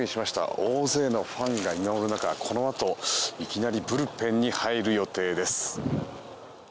大勢のファンが見守る中このあと、いきなりブルペンに入る予定です。